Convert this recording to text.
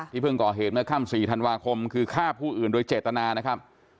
เพิ่งก่อเหตุเมื่อค่ำ๔ธันวาคมคือฆ่าผู้อื่นโดยเจตนานะครับ